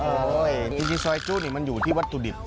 ใช่จริงซอยจุนี่มันอยู่ที่วัตถุดิบ